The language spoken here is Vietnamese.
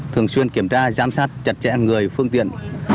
thường xuyên kiểm tra giám sát chặt chẽ người phương tiện